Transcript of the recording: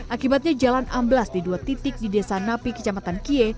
akibatnya jalan amblas di dua titik di desa napi kecamatan kie